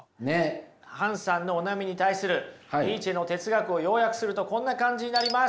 ハンさんのお悩みに対するニーチェの哲学を要約するとこんな感じになります。